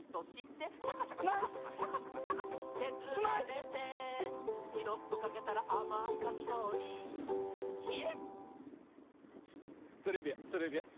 「シャカシャカシャカシャカシャカシャカシャカシャカけずられて」「シロップかけたらあまいかきごおりヒエっ！」トレビアントレビアン。